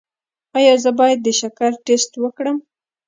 ایا زه باید د شکر ټسټ وکړم؟